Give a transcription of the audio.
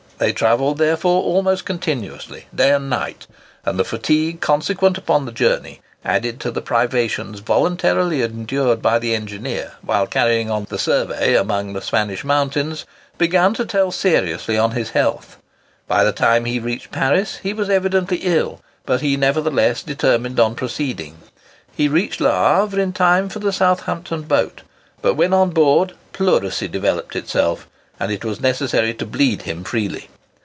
They travelled therefore almost continuously, day and night; and the fatigue consequent on the journey, added to the privations voluntarily endured by the engineer while carrying on the survey among the Spanish mountains, began to tell seriously on his health. By the time he reached Paris he was evidently ill, but he nevertheless determined on proceeding. He reached Havre in time for the Southampton boat; but when on board, pleurisy developed itself, and it was necessary to bleed him freely.